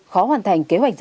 khó hoàn thành kế hoạch